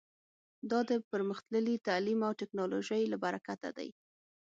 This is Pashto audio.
دا د پرمختللي تعلیم او ټکنالوژۍ له برکته دی